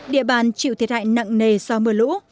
địa bàn chịu thiệt hại nặng nề do mưa lũ